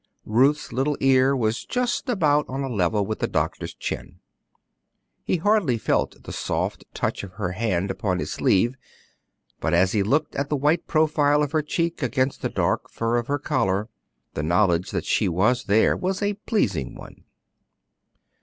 Ruth's little ear was just about on a level with the doctor's chin. He hardly felt the soft touch of her hand upon his sleeve; but as he looked at the white profile of her cheek against the dark fur of her collar, the knowledge that she was there was a pleasing one.